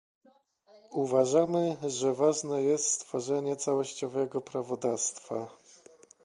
Uważamy, że ważne jest stworzenie całościowego prawodawstwa